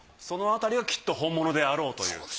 そのあたりはきっと本物であろうという。